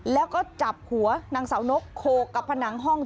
แล้วก็จับหัวนางสาวนกโขกกับผนังห้อง